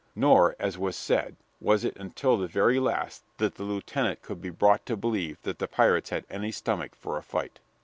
Nor, as was said, was it until the very last that the lieutenant could be brought to believe that the pirates had any stomach for a fight.